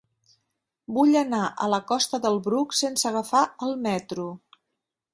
Vull anar a la costa del Bruc sense agafar el metro.